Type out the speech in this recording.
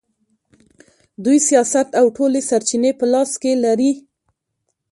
دوی سیاست او ټولې سرچینې په لاس کې لري.